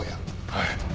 はい。